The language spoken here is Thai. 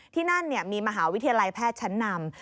ที่นั่นมีมหาวิทยาลัยแพทย์ชั้นนำ